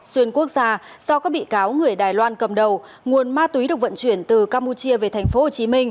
xuyên quốc gia do các bị cáo người đài loan cầm đầu nguồn ma túy được vận chuyển từ campuchia về tp hcm